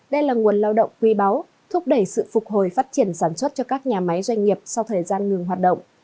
đây là nguồn lao động quy báo thúc đẩy sự phục hồi phát triển sản xuất cho các nhà máy doanh nghiệp sau thời gian ngừng hoạt động